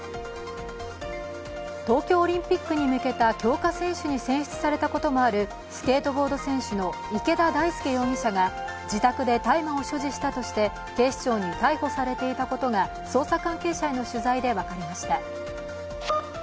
東京オリンピックに向けた強化選手に選出されたこともあるスケートボード選手の池田大亮容疑者が自宅で大麻を所持したとして警視庁に逮捕されていたことが捜査関係者への取材で分かりました。